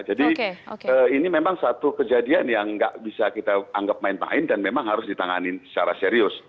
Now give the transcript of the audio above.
jadi ini memang satu kejadian yang nggak bisa kita anggap main main dan memang harus ditanganin secara serius